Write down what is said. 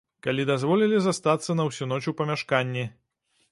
Калі дазволілі застацца на ўсю ноч у памяшканні.